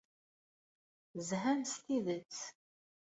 Zhan s tidet.